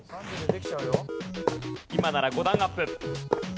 今なら５段アップ。